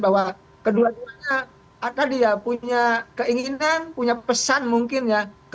bahwa kedua duanya tadi ya punya keinginan punya pesan mungkin ya